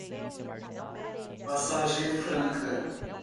Passagem Franca